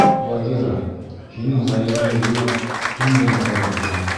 — Багира, һинең ғәйебең юҡ, төн генә ғәйепле.